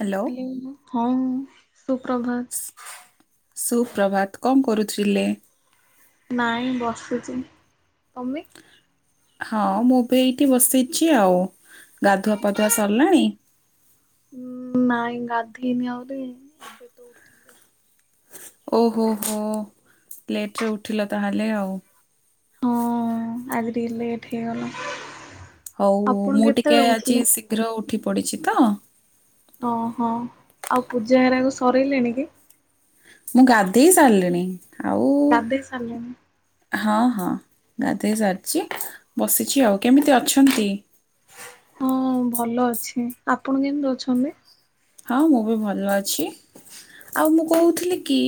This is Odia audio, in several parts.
ହ୍ୟାଲୋ [unintelligible] ହଉଁ ସୁପ୍ରଭାତ। ସୁପ୍ରଭାତ କଣ କରୁଥିଲେ? ନାଇଁ ବସୁଛି ତମେ? ହଁ ମୁଁ ବି ଏଇଠି ବସେଇଛି ଆଉଗାଧୁଆ ପାଧୁଆ ସରିଲାଣି। ନାଇଁ ଗାଧେଇନି ଆହୁରି [inaudible] ଓହୋ ହୋ ଲେଟରେ ଉଠିଲ ତାହେଲେ ଆଉ । ହଁ ଆଜି ଟିକେ ଲେଟ ହେଇଗଲା। ହଉ ଆପଣ ମୁଁ ଟିକେ କେତେବେଳେ ଆଜି ଉଠିଲେ? ଶୀଘ୍ର ଉଠି ପଡ଼ିଛି ତ? ଓହୋ ଆଉ ପୂଜା ହେରାକୁ ସରାଇଲେଣି କି? ମୁଁ ଗାଧେଇ ସାରିଲିଣି। ଆଉ ଗାଧେଇ ସାରିଲଣି? ହଁ ହଁ ଗାଧୋଇ ସାରିଛି ବସିଛି ଆଉ କେମିତି ଅଛନ୍ତି? ହଁ ଭଲ ଅଛି ଆପଣ କେମିତି ଅଛନ୍ତି? ହଁ ମୁଁ ବି ଭଲ ଅଛି। ଆଉ ମୁଁ କହୁଥିଲି କି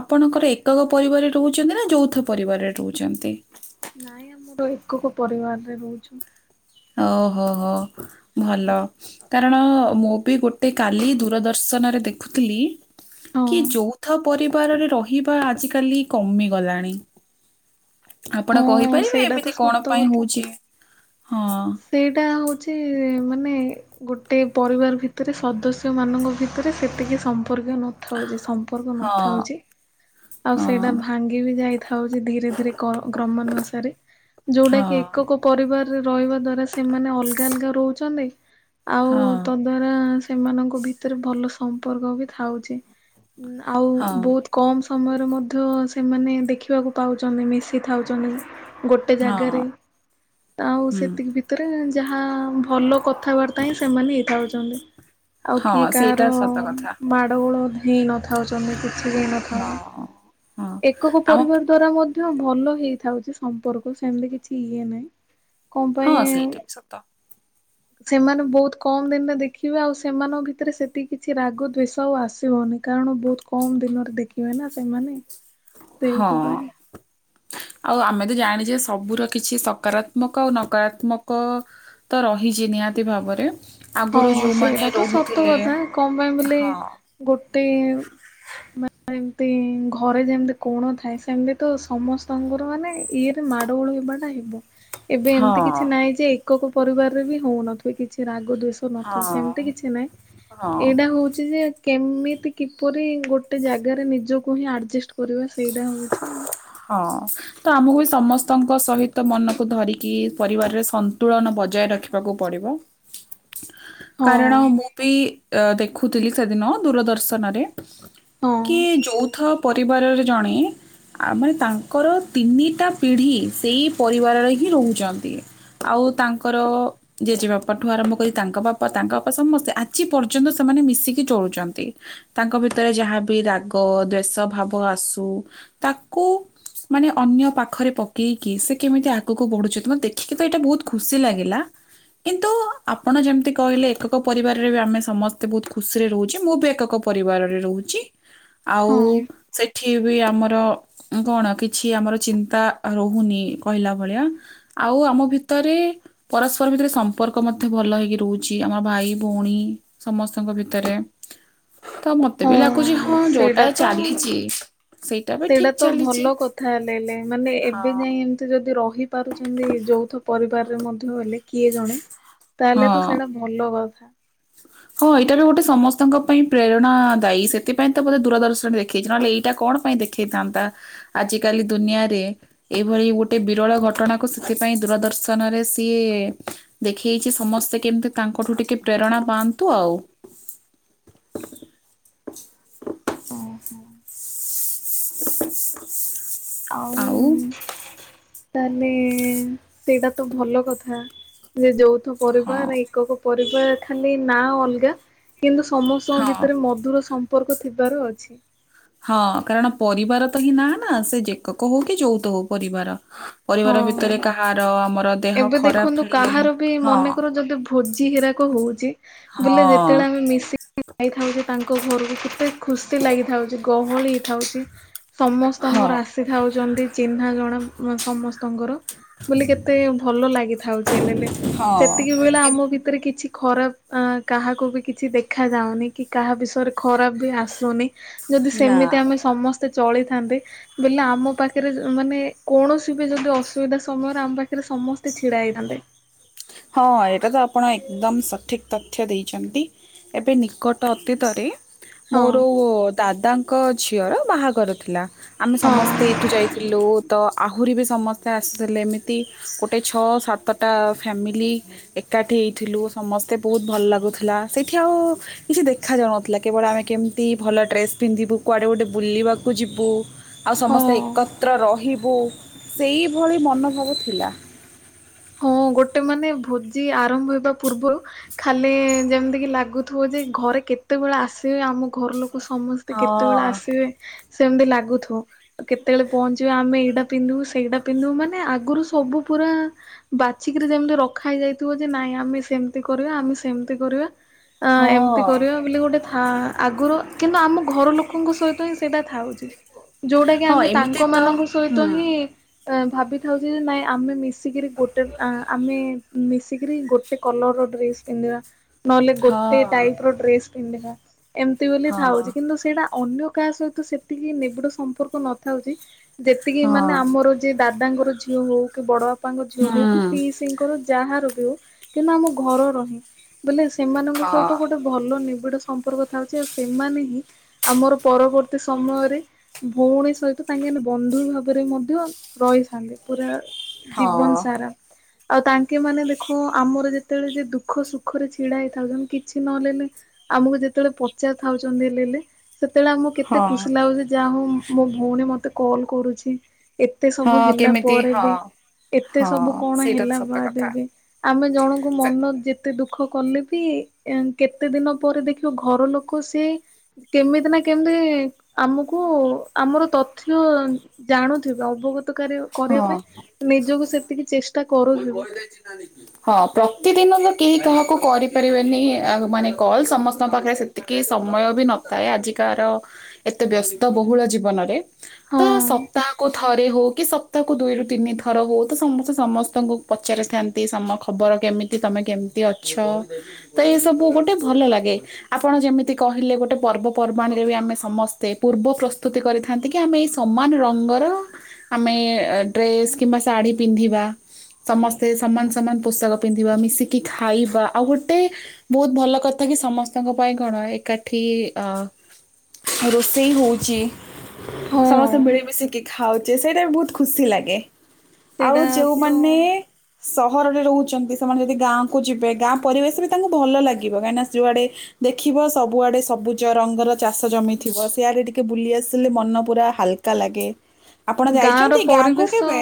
ଆପଣଙ୍କର ଏକକ ପରିବାରରେ ରହୁଛନ୍ତି ନା ଯୌଥ ପରିବାରରେ ରହୁଛନ୍ତି? ତ ଏକକ ପରିବାରରେ ରହୁଛୁ। ଓହୋ ହୋ ଭଲ କାରଣ ମୁଁ ବି ଗୋଟେ କାଲି ଦୂରଦର୍ଶନରେ ଦେଖୁଥିଲି ହଁ କି ଯୌଥ ପରିବାରରେ ରହିବା ଆଜିିକାଲି କମିଗଲାଣି। [inaudible] ହଁ ଆପଣ କହିପାରିବେ ସେଇଟା ତ ଏମିତି କଣ ସତ ପାଇଁ କଥା। ହଉଛି? ହଁ ସେଇଟା ହଉଛି ମାନେ ଗୋଟେ ପରିବାର ଭିତରେ ସଦସ୍ୟ ମାନଙ୍କ ଭିତରେ ସେତିକି ସମ୍ ପୁଣ୍ୟ ନଥାଉଛି ସମ୍ପର୍କ ହଁ ନଥାଉଛି ଆଉ ହଁ ସେଇଟା ଭାଙ୍ଗି ବି ଯାଇ ଥାଉଛି ଧୀରେ ଧୀରେ ରମ ଯୋଉଟା ହଁ କି ଏକକ ପରିବାର ରହିବା ଦ୍ଵାରା ସେମାନେ ଅଲଗା ଅଲଗା ରହୁଛନ୍ତି। ଆଉ ହଁ ତ ଦ୍ଵାରା ସେମାନଙ୍କ ଭିତରେ ଭଲ ସମ୍ପର୍କ ବି ଥାଉଛି। ଆଉ ହଁ ବହୁତ କମ୍ ସମୟରେ ମଧ୍ୟ ସେମାନେ ଦେଖିବାକୁ ପାଉଛନ୍ତି ମିଶିଥାଉଛନ୍ତି। ଗୋଟେ ଜାଗାରେ ହଁ ତ ଆଉ ହୁଁ ସେତିକି ଭିତରେ ହାଁ ଭଲ। କଥାବାର୍ତ୍ତା ହିଁ ସେମାନେ ହେଇଥାଉ ହୁଁ। ଆଉ ହଁ କିଏ କାହାର ସେଇଟା ସତ କଥା। ମାଡ ଗୋଳ ହିଁ ନଥାଉଛନ୍ତି କି ସେବିନ ଖବ [unintelligible] ହଁ ହଁ ଏକକ ଆମ ପରିବାର ଦ୍ଵାରା ଭଲ ହେଇଥାଉଛି ସମ୍ପର୍କ ସେମିତି କିଛି ଇଏ ନାହିଁ। କଣ ହଁ ପାଇଁ ସେଇଟା ବି ସତ। ସେମାନେ ବହୁତ କମ ଦିନରେ ଦେଖିବେ ଆଉ ସେମାନଙ୍କ ଭିତରେ ସେତିକି କିଛି ରାଗ ଦଵେଷ ଆଉ ଆସିବନି କାରଣ ବହୁତ କମ ଦିନରେ ଦେଖିବେ ନା ସେମାନେ। । ସେଇଥି ହଁ। ପାଇ ଆଉ ଆମେ ତ ଜାଣିଛେ ସବୁର କିଛି ସକାରାତ୍ମକ ଆଉ ନକାରାତ୍ମକ ତ ରହିଛି ନିହାତି ଭାବରେ ଆଗରୁ ହଁ ଯୋଉମାନେ ସେଇଟା ତ ସତ ରହୁଥିଲେ କଥା କଣ ପାଇଁ ବୋଲି ହଁ ଗୋଟେ ମାନେ ଘରେ ଯେମିତି କୋଣ ଥାଏ ସେମିତି ତ ସମସ୍ତଙ୍କର ମାନେ ଇଏରେ ମାଡ଼ଗୋଳ ହେବାଟା ହେବ ଏବେ ହଁ ଏମିତି କିଛି ନାହିଁ ଯେ ଏକକୁ ପରିବାରରେ ବି ହଉନଥିବେ କିଛି ରାଗ ଦୁଇ ହଁ ନଥିବ ସେମିତି କିଛି ନହିଁ ହଁ ଏଇଟା ହଉଛି ଯେ କେମିତି କିପରି ଗୋଟେ ଜାଗାରେ ନିଜକୁ ହିଁ ଆଡଜଷ୍ଟ କରିବା ସେଇଟା ହଉଛି ହଁ ତ ଆମକୁ ବି ସମସ୍ତଙ୍କ ସହିତ ମନକୁ ଧରିକି ପରିବାରରେ ସନ୍ତୁଳନ ବଜାୟ ରଖିବାକୁ ପଡିବ। କାରଣ ହଁ ମୁଁ ବି? ଦେଖୁଥିଲି ସେଦିନ ଦୂରଦର୍ଶନ ରେ ହଁ କି ଯଉଥା ପରିବାରରେ ଜଣେ? ଆଉ ମାନେ ତାଙ୍କର ତିନିଟା ପିଢି ସେଇ ପରିବାରରେ ହିଁ ରହୁଛନ୍ତି ଆଉ ତାଙ୍କର ଜେଜେବାପା ଠୁ ଆରମ୍ଭ କରି ତାଙ୍କ ବାପା ତାଙ୍କ ବାପା ସମସ୍ତେ ଆଜି ପର୍ଯ୍ୟନ୍ତ ସେମାନେ ମିଶିକି ଚଳୁଛନ୍ତି ତାଙ୍କ ଭିତରେ ଯାହାବି ରାଗ ଦ୍ଵେଷ ଭାବ ଆସୁ ତାକୁ ମାନେ ଅନ୍ୟ ପାଖରେ ପକେଇକି ସେ କେମିତି ଆଗକୁ ବଢୁଛି। ତୁମେ ଦେଖିକିତ ଏଇଟା ବହୁତ ଖୁସି ଲାଗିଲା କିନ୍ତୁ ଆପଣ ଯେମିତି କହିଲେ ଏକକ ପରିବାରରେ ବି ଆମେ ସମସ୍ତେ ବହୁତ ଖୁସିରେ ରହୁଛେ। ମୁଁ ବି ଏକକ ପରିବାରରେ ରହୁଛି। ଆଉ ହଁ ସେ ୟୁବି ଆମର ଊ କଣ କିଛି ଆମର ଚିନ୍ତା ଆ ରହୁନି କହିଲା ଭଳିଆ ଆଉ ଆମ ଭିତରେ, ପରସ୍ପର ଭିତରେ ସମ୍ପର୍କ ମଧ୍ୟ ଭଲ ହେଇକି ରହୁଛି। ଆମର ଭାଇ ଭଉଣୀ ସମସ୍ତଙ୍କ ଭିତରେ ତ ମ ମତେ ବି ଲାଗୁଛି ହଁ ଯୋଟା ସେଇଟା ତ ଚାଲିଚି ସେଇଟା ବି ଠିକ୍। ତ ଭଲ କଥା ହେଲେହେଲେ ମାନେ ହଁ ଏବେ ଯାଇ ଏମତି ଯଦି ରୁହେଁ ପାରୁଚ଼ନ୍ତି ଯୌଥ ପରିବାର ମଧୁ ବୋଲେ କିଏ ଜଣେ? ତାହେଲେ ତ ହଁ। ସେଇଟା ଭଲ । [unintelligible] ହଁ ଏଇଟାରୁ ଗୋଟେ ସମସ୍ତଙ୍କ ପାଇଁ ପ୍ରେରଣା ଦାୟୀ ସେଥିପାଇଁ ତ ବୋଧେ ଦୂରଦର୍ଶନରେ ଦେଖେଇଛି ନହେଲେ ଏଇଟା କଣ ପାଇଁ ଦେଖେଇଥାନ୍ତା। ଆଜିକାଲି ଦୁନିଆରେ ଏଭଳି ଗୋଟେ ବିରଳ ଘଟଣାକୁ ସେଥିପାଇଁ ଦୂରଦର୍ଶନ ରେ ସିଏଏ ଦେଖେଇଛି। ସମସ୍ତେ କେମିତି ତାଙ୍କଠୁ ଟିକେ ପ୍ରେରଣା ପାଆତ୍ ତୁ ଆଉ। [inaudible] ଆଉଉ ଆଉ ତାହେଲେ ଏ ସେଇଟା ତ ଭଲ କଥା ଯେ ଯୋଉ ତ ହଁ ପରିବାର ଏକକ [unintelligible] ବିଵଅ ଖାଲି ନା ଅଲଗା। କିନ୍ତୁ ସମସ୍ତଙ୍କ ହଁ ଭିତରେ ମଧୁର ସ ସମ୍ପର୍କ ଥିବାର ଅଛି। ହଁ କାରଣ ପରିବାର ତ ହିଁ ନା ନା ସେ ଯେକକ ହଉ କି ଯୋଉତ ହଉ ପରିବାର। ପରିବାର ହଁ ଭିତରେ କାହାର ଆମର ଦେହ ଏବେ ଦେଖନ୍ତୁ ଖରାପ ହେଲେ କାହାର ବି ହଁ। ମନେକର ଯଦି ଭୋଜି ଗିରାକ ହଉଛି। ହଁ ବୁଲେ ଯେତେବେଳେ ଆମେ ମିଶି [inaudible] କି [inaudible] ଯାଇଥାଉ ଛେ ତା କୋ ଘରକୁ ଟିପେ ଖୁସି ଲାଗିଥାଉଛି ଗହଳି ହେଥାଉଛି ହଁ ସମସ୍ତଙ୍କର ଆସିି ଥାଉଚନ୍ତି ଚିହ୍ନା ଜଣା [unintelligible] ସମସ୍ତ ତଙ୍ଗର। ବୋଲି କେତେ ଭଲ ଲାଗିଥାଉଛି ହେଲେଲେ ହଁ ସେତିକି ବେଳେ ଏବେ ଆମ ଭିତରେ କିଛି ଖରାପ ଆଂ କାହାକୁ ବି କିଛି ଦେଖା ଯାଉନି କି କାହା ବିଷୟରେ ଖରାପ ବି ଆସୁନି। ଯଦି ନା ସେମିତି ଆମେ ସମତ୍ ଚଳିଥାନ୍ତେ ବଲେ ଆମ ପାଖରେ ମାନେ କୌଣସି ଏବେ ଯଦି ଅସୁବିଧା ସମୟରେ ଆମ ପାଖରେ ସମସ୍ତେ ଛିଡା ହେଇଥାନ୍ତେ। ହଁ ଏଇଟା ତ ଆପଣ ଏକ୍‌ଦମ ସଠିକ ତଥ୍ୟ ଦେଇଛନ୍ତି ଏବେ ନିକଟ ଅତୀତରେ ହଁ ମୋର ଓ ଦାଦା। ଙ୍କ ଝିଅର ବାହାଘର ଥିଲା ଆମେ ହଁ ସମସ୍ତେ ଏଇଠୁ ଯାଇଥିଲୁ ତ ଆହୁରି ବି ସମସ୍ତେ ଆସିଥିଲେ ଏମିତି ଗୋଟେ ଛଅ ସାତଟା ଫ୍ୟାମିଲି ଏକାଠି ହୋଇଇଥିଲୁ ସମସ୍ତେ ବହୁତ ଭଲ ଲାଗୁଥିଲା ସେଇଠି ଆଉ କିଛି ଦେଖାଯାଉନଥିଲା କେବଳ ଆମେ କେମିତି ଭଲ ଡ୍ରେସ୍ ପିନ୍ଧିବୁ କୁଆଡ଼େ ଗୋଟେ ବୁଲିବାକୁ ଯିବୁ ଆଉ ସମସ୍ତେ ହଁ। ଏକତ୍ର ରହି ହୋ ସେଇଭଳି ମନୋଭାବ ଥିଲା ହଁ ଗୋଟେ ମାନେ ଭୋଜି ଆରମ୍ଭ ହେବା ପୂର୍ବରୁ ଖାଲି ଯେମିତିକ ଲାଗୁଥିବ ଯେ ଘରେ କେତେବେଳେ ଆସିବେ ଆମ ଘର ଲୋକ ସମସ୍ତେ କେତେବେଳେ ହଁ। ଆସିବେ ସେମିତି ଲାଗୁଥିବ କେତେବେଳେ ପହଞ୍ଚିବ ଆମେ ଏଇଟା ପିନ୍ଧିବୁ ସେଇଟା ପିନ୍ଧିବୁ ମାନେ ଆଗରୁ ସବୁ ପୁରା ବାଛିିକିରି ଯେମିତି ରଖା ହେଇ ଯାଇଥିବ ଯେ ନାଇଁ ଆମେ ସେମିତି କରିବା ଆମେ ସେମିତି କରିବା ଅ ଏମିତି ହଁ କରିବା ବୋଲି ଗୋଟେ ଥା ଆଗରୁ କିନ୍ତୁ ଆମ ଘର ଲୋକଙ୍କ ସହିତ ହିଁ ସେଇଟା ଥାଉଛି ଯୋଉଟା କି ହଁ ଆମେ ଏମିତି ତାଙ୍କ ତ ମାନଙ୍କ ହୁଁ ସହିତ ହିଁ ଭାବିଥାଉଚ ଯେ ନାଇଁ ଆମେ ମିଶ ଶୀଘରି ଗୋେ ତ ଆମେ ମିଶିକରି ଗୋଟେ କଲର ର ଡ୍ରେସ୍ ପିନ୍ଧିବା। ନହେଲେ ଗୋଟେ ହଁ ଟାଇପ ର ଡ୍ରେସ ପିନ୍ଧିବା। ଏମିତି ବୋଲି ଥାଉଛି ହଁ କିନ୍ତୁ ସେଇଟା ଅନ୍ୟ କାହା ସହିତ ସେତିକି ନିବିଡ ସମ୍ପର୍କ ନଥାଉଛି ଯେତିକି ହଁ ମାନେ ଆମର ଯିଏ ଦାଦ ଦାଦା ଙ୍କର ଝିଅ ହଉ କି ବଡ ବା ବାପାଙ୍କ ଝିଅକୁ କି ହୁଁ ପି ସିଙ୍କର ଯାହା ର କିନ୍ତୁ ଆମ ଘର ରହିଁ ବୋଇଲେ ସେମାନଙ୍କ ହଁ ସହିତ ଗୋଟେ ଭଲ ନ ସମ୍ପର୍କ ଥାଉଛି ଆଉ ସେମାନେ ହିଁ ଆମର ପରବର୍ତ୍ତୀ ସମୟରେ ଭଉଣୀ ସହିତ ତାଙ୍କେ ବନ୍ଧୁ ଭାବରେ ମଧ୍ୟ ରହିଥାନ୍ତି ପୁରା ହଁ ଜୀବନ ସାରା ଆଉ ତାଙ୍କେ ମାନେ ଦେଖ ଆମର ଯେତେବେଳେ ଯେ ଦୁଃଖ ସୁଖରେ ଛିଡା ହେଇଥାଉଛନ୍ତି କିଛି ନଲେଲେ ଆମକୁ ଯେତେବେଳେ ପଚାରି ଥାଉଛନ୍ତି ହେଲେ ସେତେବେଳେ ଆମକୁ କେତେ ହଁ ଖୁସି ଲାଗୁଛି ଯେ ଯା ହଉ ମୋ ଭଉଣୀ ମତେ କଲ୍ କରୁଛି ଏତେ ସବୁ ହଁ ହେଲା କେମିତି ପରେ ହଁ ବି ଏତେ ହଁ ସବୁ କଣ ସେଇଟା ତ ହେଲା ସତ ବା କଥା ଦେବେ ଆମେ ଜଣଙ୍କୁ ସେ ମନ ଯେ କେତେ ଦୁଃଖ କଲେ ବି କେତେ ଦିନ ପରେ ଦେଖିବ ଘର ଲୋକ ସି କେମିତି ନା କେମିତି ଆମକୁ ଆମର ତଥ୍ୟ ଜାଣୁଥିବେ ଅବଗତ କରିବା ପାଇଁ ନିଜକୁ ସେତିକି ଚେଷ୍ଟା ମୁ କରୁଥିବେ କହି ହଁ ପ୍ରତିଦିନ ତ କେହି କାହା କୁ କରିପାରିବେନି ଆ ମାନେ କଲ ସମସ୍ତଙ୍କ ପାଖରେ ସେତିକି ସମୟ ବି ନଥାଏ ଆଜିକାାର ଏତେ ବ୍ୟସ୍ତ ବହୁଳ ଜୀବନରେ ତ ହଁ ସପ୍ତାହକୁ ଥରେ ହ କି ତାକୁ ଦୁଇରୁୁ ତିନି ଥର ହଉ ତ ସମସ୍ତେ ସମସ୍ତେ ତଙ୍କୁ ପଚାରିଥାନ୍ତି ସମ ଖବର କେମିତି ତମେ କେମିତି ଅଛ ତ ଏଇସବୁ ଗୋଟେ ଭଲ ଲାଗେ ଆପଣ ଯେମିତି କହିଲେ ଗୋଟେ ପର୍ବପର୍ବାଣିରେ ବି ଆମେ ସମସ୍ତେ ପୂର୍ବ ପ୍ରସ୍ତୁତି କରିଥାନ୍ତି କି ଆମେ ଏଇ ସମାନ ରଙ୍ଗର ଆମେ ଡ୍ରେସ୍ କିମ୍ବା ଶାଢ଼ୀ ପିନ୍ଧିବା ସମସ୍ତେ ସମାନ ସମାନ ପୋଷକ ପିନ୍ଧିବା ମିଶିକି ଖାଇବା ଆଉ ଗୋଟେ ବହୁତ ଭଲ କଥା କି ସମସ୍ତଙ୍କ ପାଇଁ କଣ ଏକାଠି ଅ ରୋଷେଇ ହଉଛି ହଁ ସମସ୍ତେ ମିଳିମିଶିକି ଖାଉଛି ଯେ ସେଇଟା ବି ବହୁତ ଖୁସି ଲାଗେ ସେଇଟା ତ ମନେ ସହରରେ ରହୁଛନ୍ତି ସେମାନେ ଯଦି ଗାଁ କ ଯିବେ ଗାଁ ପରିବେଶ ବି ତାଙ୍କୁ ଭଲ ଲାଗିବ କାହିଁକିନା ଯଉଆଡେ ଦେଖିବ ସବୁଆଡେ ସବୁଜ ରଙ୍ଗର ଚାଷ ଜମିଥିବ ସେଆଡେ ଟିକେ ବୁଲି ଆସିଲେ ମନ ପୁରା ହାଲକା ଲାଗେ ଆପଣ ଗାଁ ର ଯାଇଛନ୍ତି ଗାଁକୁ ପରିବେଶ କେବେ?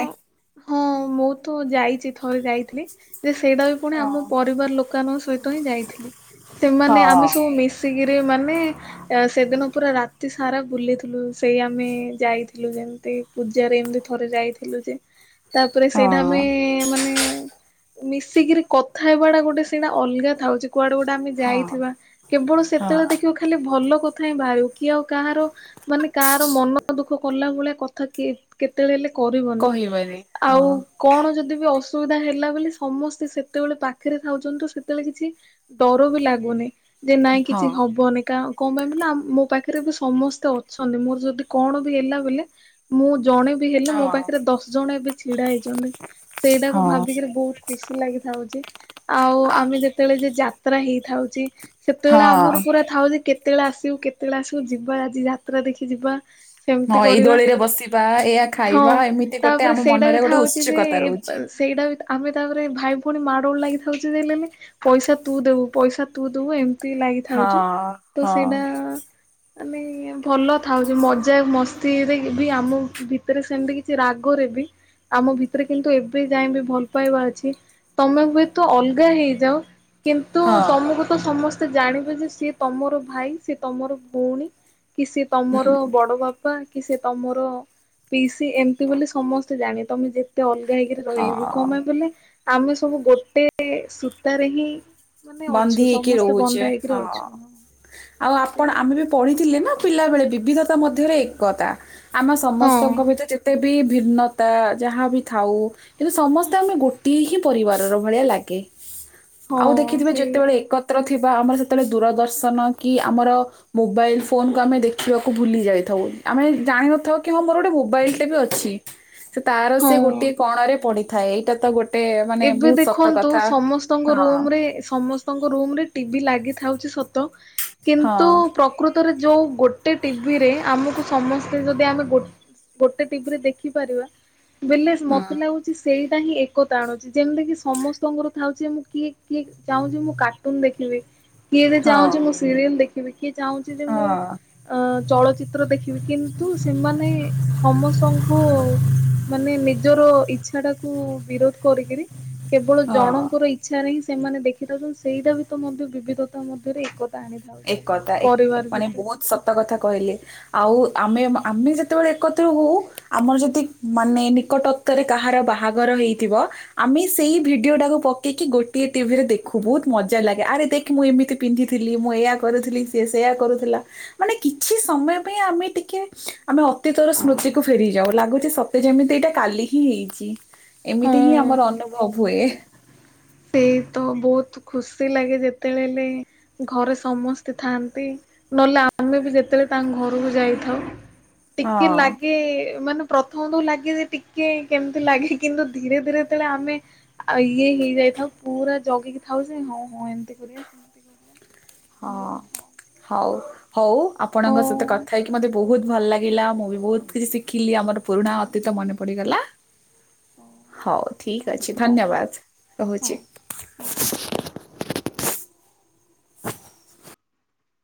ହଁ ବହୁତ ଯାଇଛି ଥରେ ଯାଇଥିଲି ଯେ ସେଇଟା ବି ପୁଣି ହଁ ଆମ ପରିବାର ଲୋକଙ୍କ ସହିତ ହି ଯାଇଥିଲି ସେମାନେ ହଁ ଆମେ ସବୁ ମି କିରି ମାନେ ସେଦିନ ପୁରା ରାତି ସାରା ବୁଲିଥିଲୁ ସେଇ ଆମେ ଯାଇଥିଲୁ ଯେମିତି ପୂଜାରେ ଏମିତି ଥରେ ଯାଇଥିଲୁ ଯେ ତାପରେ ସେଇଟା ହଁ ଆମେ ମାନେ ମିଶିକିରି କଥା ହେବା ଟା ଗୋଟେ ସିଣା ଅଲଗା ଥାଉଛି କୁଆଡେ ଗୁଟେ ଆମେ ହଁ ଯାଇଥିବା କେବଳ ସେତେବେଳେ ହଁ ଦେଖିବା ଖାଲି ଭଲ କଥାଁ ବାୟ କି ଆଉ କାହାର ମାନେ କାହାର ମନ ଦୁଃଖ କଲା ଭଳିଆ କେତେବେଳେ କରିବନି କହିବନି ଆଉ ହଁ କଣ ଯଦି ବି ଅ ଅସୁବିଧା ହେଲା ବୋଲି ସମସ୍ତେ ସେତେବେଳେ ପାଖରେ ଥାାଉଛନ୍ତି ସେତେବେଳେ କିଛି ଡର ବି ଲାଗୁନି ଯେ ନାଇଁ ହଁ କିଛି ହବନ କା କଣ ପାଇଁ ବ ମୋ ପାଖରେ ବି ସମସ୍ତେ ଅଛନ୍ତି ମୋର ଯଦି କଣ ବି ହେଲା ବୋଲେ ମୁଁଦ ଜଣେ ବି ହେଲେ ମୋ ହଁ ପାଖରେ ଦଶ ଜଣ ଏବେ ଛିଡା ହେଇଛନ୍ତି ସେଇଟାକୁ ହଁ ଭାବିକିରି ବହୁତ ଖୁସି ଲାଗିଥାଉଛି ଆଉ ଆ- ଆମେ ଯେତେବେଳେ ଯେ ପତ୍ରା ହେଇଥାଉଛି ସେତେବେଳେ ଆମର ହଁ ପୁରା ଥାଉ ଯେ କେତ କେତେବେଳେ ଆସିବୁ କେତେବେଳେ ଆସିବ ଯିବା ଆଜି ଯାତ୍ରା ଦେଖି ଯିବା ସେମିତି ହଁ ଏଇ କରିବା ଦୋଳି ରେ ବସିବି। ହଁ ତାପରେ ସେଇଟା ମନରେ ବିଥା ଗୋଟେ ହଉଛି ଯେ ଉତ୍ସୁକତା ରହୁଛି। ସେଇଟା ବି ଆମେ ତାପରେ ଭାଇ ଭଉଣୀ ମାଡ଼ଳ ଲାଗିଥାଉଛି ଦୋନ ପଇସା ତୁ ଦେବୁ ପଇସା ତୁ ଦେବୁ ଏମିତି ଲାଗିଥାଉଛୁ ହଁ ତ ହଁ ସେଇଟା ମାନେ ଭଲ ଥାଉଛି ମଜା ମସ୍ତିରେକ ବି ଆମ ଭିତରେ ସେମିତି କିଛି ରାଗରେ ବି ଆମ ଭିତରେ କିନ୍ତୁ ଏବେ ଯାଇ ବି ଭଲ ପାଇବା ଅଛି ତମେ ହୁଏତ ଅଲଗା ହେଇଯାଉ। କିନ୍ତୁ ହଁ। ତମକୁ ତ ସମସ୍ତେ ସେ ଜାଣିବ ଯେ ସିଏ ତମର ଭାଇ ସିଏ ତମର ଭଉଣୀ। କି ସେ ତମର ହୁଁ ବଡ ବାପା ବା କି ତମର ପି ଏମିତି ବୋଲି ସମସ୍ତେ ଜାଣି ତମେ ଯେତେ ଅ ଗାାଇକି ରହିଲେ ବି କମେ ହଁ। ବୋଲେ ଆମେ ସବୁ ଗୋଟେ ସୂତାରେ ହିଁ। ମାନେ ବନ୍ଦୀ ଅଛୁ ହେଇକି ସମସ୍ତେ ରହୁଛେ ବନ୍ଧା ହେଇକିରି ହଁ। ଅଛୁ। ଆଉ ଆପଣ ଆମେ ବି ସେଇଥିପାଇଁ ପଢିଥିଲେ ନା। ପିଲାବେଳେ ବିବିଧତା ମଧ୍ୟରେ ଏକତା ଆମେ ସମସ୍ତଙ୍କ ହଁ। ଭିତରେ ଯେତେ ବି ଭିନ୍ନତା ଯାହା ବିି ଥାଉ କିନ୍ତୁ ସମସ୍ତେ ଆମେ ଗୋଟିଏ ହିଁ ପରିବାରର ଭଳିଆ ଲାଗେ ଆଉ ଦେଖିଥିବେ ହଁ। ସେଇ ଯେତେବେଳେ ତ ଏକତ୍ର କି ବା ଆମର ସେତେବେଳେ ଦୂରଦର୍ଶନ କି ଆମର ମୋବାଇଲ ଫୋନକୁୁ ଆମେ ଦେଖିବାକୁ ଭୁଲି ଯାଇଥାଉ ଆମେ ଜାିନଥାଉ କି ହଁ ମୋର ଗୋଟେ ମୋବାଇଲ ଟେ ବି ଅଛି। ସେ ତାର ସେ ହଁ। ଗୋଟିଏ କଣ ରେ ପଡି ଥା ଏଇଟା ତ ଗୋଟେ ମାନେ ଏବେ ବହୁତ ସତ ଦେଖନ୍ତୁ କଥା ସମସ୍ତଙ୍କ ହଁ ରୁମ ରେ ସମସ୍ତଙ୍କ ରୁମ ରେ ଟିଭି ଲାଗି ଥାଉଛି ସତ କିନ୍ତୁ ହଁ ପ୍ରକୃତି ଯୋଉ ଗୋଟେ ଟିଭିରେ ଆମକୁ ସମସ୍ତେ ଯଦି ଆମେ ଗୋଟେ ଟିଭିରେ ଦେଖିପାରିବା। ବଲେ ଉଁ, ମତେ ଲାଗୁଛି ସେଇ ହ ଏକ ଆଣୁଛି ଯେମିତି କି ସମସ୍ତଙ୍କର ଥାଉଛି ମୁଁ କିଏ କିଏ ଚାହୁଁଛି ମୁଁ କାର୍ଟୁନ ଦେଖିବି। କିଏେ ହଁ ଯାଉଛି ମୁଁ ସିରିୟଲ ଦେଖିବି। କିଏ ଚାହୁଁଛି ଯେ ମୁଁ ଅ ଚଳଚିତ୍ର ଦେଖିବି କିନ୍ତୁ ସେମାନେ ସମସ୍ତଙ୍କୁ ମାନେ ନିଜର। ଇଚ୍ଛାଟାକୁୁ ବିରୋଧ। କରିକିରି। କେବଳ ହଁ ହଁ ଜଣଙ୍କର ଇଚ୍ଛା ନାହିଁ। ସେମାନେ ଦେଖିଥାଉଛନ୍ତି ସେଇଟା ବି ତ ମଧ୍ୟ ବିବିଧତା ମଧ୍ୟରେ ଏକ। ଏକଥା ଏକ ମାନେ ବହୁତ ସତ କଥା କହିଲେ ଆଉ ଆମେ ଆମେ ଯେତେବେଳେ ଏକତ୍ର ହଉ ଆମର ଯଦି ମାନେ ନିକଟତରେ କାହାର ବାହାଘର ହେଇଥିବ ଆମେ ସେଇ ଭିଡିଓ ଟାକୁ ପକେଇକି ଗୋଟିଏ ଟିଭିରେ ଦେଖୁ ବହୁତ ମଜା ଲାଗେ ଆରେ ଦେଖ ମୁଁ ଏମିତି ପିନ୍ଧିଥିଲି। ମୁଁ ଏଇୟଆ କରୁଥିଲି ସିଏ ସେୟ କରୁଥିଲା ମାନେ କିଛି ସମୟ ପାଇଁ ଆମେ ଟିକେ ଆମେ ଅତୀତର ସ୍ମୃତିକୁ ଫେରି ଯାଉ ଲାଗୁଛି ସତେ ଯେମିତି ଏଇଟା କାଲି ହିଁ ହେଇଛି। ଏମିତି ହିଁ ଆମର ହଁ ଅନୁଭବ ହୁଏ। ସେଇ ତ ବହୁତ ଖୁସି ଲାଗେ ଯେତେବେଳେଲେ ଘରେ ସମସ୍ତେ ଥାଆନ୍ତି ନହେଲେ ଆମେ ବି ଯେତେବେଳେ ତାଙ୍କ ଘରକୁ ଯାଇଥାଉ। ଟିକେ ହଁ। ଲାଗେ ମାନେ ପ୍ରଥମ ତ ଲାଗେ ଯେ ଟିକେ କେମିତି ଲାଗେ କିନ୍ତୁ ଧୀରେ ଧୀରେ ସେତେଳେ ଆମେ ଇଏ ହେଇଯାଇଥାଉ ପୁରା ଜଗିକି ଥାଉ ଯେ ହଁ ହଁ ଏମତି କରିବା ସେମତି କରିବା। ସେମିତି ଗୋଟେ ଥାଉ ହଁ ହଉ। ହଉ ହଉ ଆପଣଙ୍କ ସହିତ କଥା ହେଇକି ମୋତେ ବହୁତ ଭଲ ଲାଗିଲା, ମୁଁ ବି ବହୁତ କିଛି ଶିଖିଲି ଆମର ପୁରୁଣା ଅତୀତ ମନେ ପଡିଗଲା। ହଉ ଠିକ ଅଛି ଧନ୍ୟବାଦ ହଁ ରହୁଛି। ହଁ।